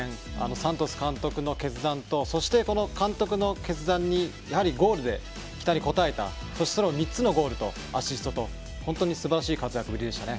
サントス監督の決断とそして、この監督の決断にゴールで期待に応えたそして３つのゴールとアシストと本当にすばらしい活躍ぶりでしたね。